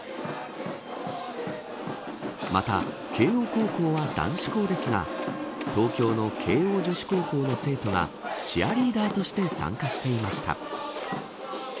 また、慶応高校は男子校ですが東京の慶応女子高校の生徒がチアリーダーとして参加していました。